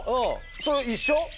それ一緒？